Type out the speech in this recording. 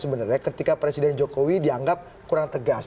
sebenarnya ketika presiden jokowi dianggap kurang tegas